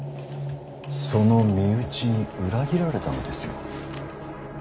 その身内に裏切られたのですよ。